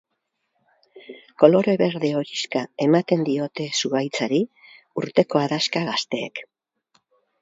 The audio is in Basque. Kolore berde-horixka ematen diote zuhaitzari urteko adaxka gazteek.